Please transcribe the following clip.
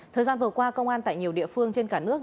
thời gian vừa qua công an tại nhiều địa phương trên cả nước